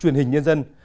truyền hình nhân dân